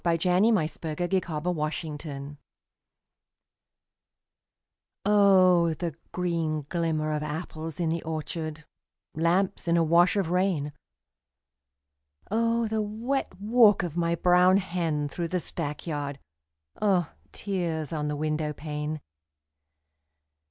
LAWRENCE BALLAD OF ANOTHER OPHELIA Oh, the green glimmer of apples in the orchard, Lamps in a wash of rain, Oh, the wet walk of my brown hen through the stackyard, Oh, tears on the window pane!